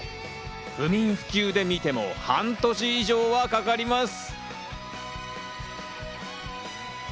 不眠不休で見ても半年以上はかかります。